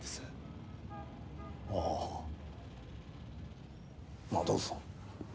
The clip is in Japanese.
ああまあどうぞ。